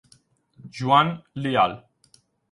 Juan Leal